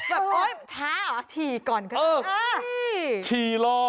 แบบท้าหรอฉี่ก่อนก็จะได้ใช่ฉี่รอ